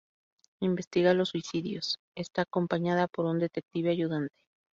Investiga los suicidios; está acompañado por un detective ayudante.